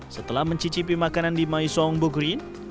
setelah mencicipi makanan di maisong bukerin